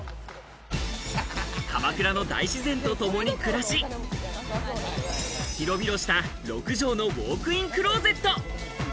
鎌倉の大自然とともに暮らし、広々した６畳のウォークインクローゼット。